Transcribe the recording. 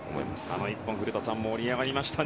あの１本は盛り上がりましたね。